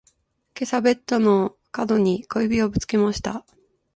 今朝ベッドの角に小指をぶつけました。